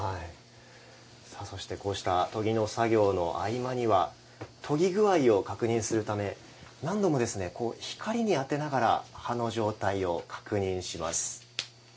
こうした研ぎの作業の合間には研ぎ具合を確認するため、何度も光に当てながら刃の状態を確認します。